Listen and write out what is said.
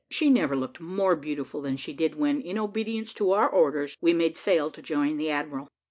She never looked more beautiful than she did when, in obedience to our orders, we made sail to join the admiral.